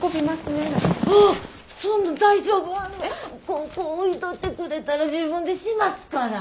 ここ置いといてくれたら自分でしますから。